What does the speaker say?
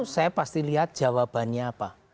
saya pasti lihat jawabannya apa